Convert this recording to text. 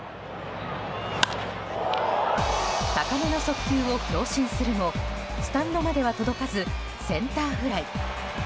高めの速球を強振するもスタンドまでは届かずセンターフライ。